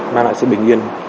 mang lại sự bình yên